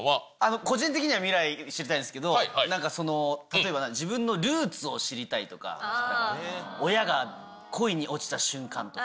個人的には未来を知りたいんですけど、なんか、例えば、自分のルーツを知りたいとか、親が恋に落ちた瞬間とか。